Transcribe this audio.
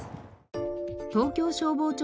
東京消防庁